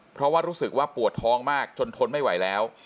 เพราะว่ารู้สึกว่าปวดท้องมากจนทนไม่ไหวแล้ว